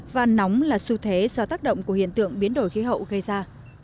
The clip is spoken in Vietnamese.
và nóng là xu thế do tác động của hiện tượng biến đổi khí hậu gây ra